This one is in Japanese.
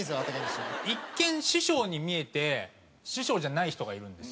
一見師匠に見えて師匠じゃない人がいるんですよ。